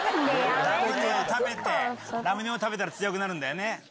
ラムネを食べてラムネを食べたら強くなるね。